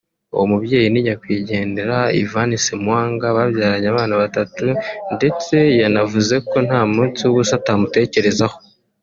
uwo mubyeyi ni nyakwigendera Ivan Ssemwanga babyaranye abana batatu ndetse yanavuze ko nta munsi w’ubusa atamutekerezaho